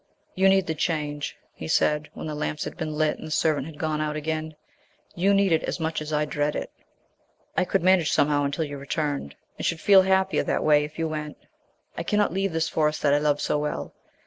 "You need the change," he said, when the lamps had been lit and the servant had gone out again; "you need it as much as I dread it. I could manage somehow until you returned, and should feel happier that way if you went. I cannot leave this Forest that I love so well.